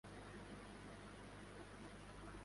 حالانکہ اس نے تمہیں عالمین پر فضیلت دی ہے